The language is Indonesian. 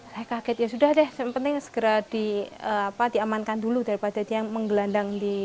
saya kaget ya sudah deh sempet segera di apa diamankan dulu daripada dia menggelandang di